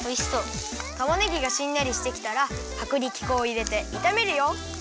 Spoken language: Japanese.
たまねぎがしんなりしてきたらはくりき粉をいれていためるよ！